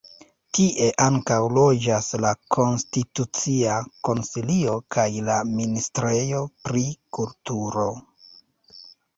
Tie ankaŭ loĝas la Konstitucia Konsilio kaj la ministrejo pri kulturo.